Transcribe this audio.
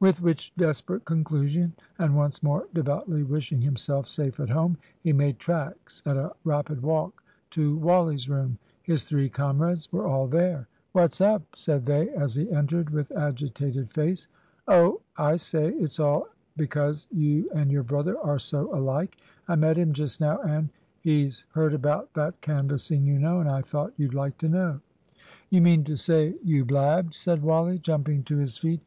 With which desperate conclusion, and once more devoutly wishing himself safe at home, he made tracks, at a rapid walk, to Wally's room. His three comrades were all there. "What's up?" said they as he entered, with agitated face. "Oh, I say, it's all because you and your brother are so alike. I met him just now; and he's heard about that canvassing, you know, and I thought you'd like to know." "You mean to say you blabbed?" said Wally, jumping to his feet.